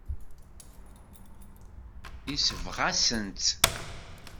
Yesbeɣ-asent-tt.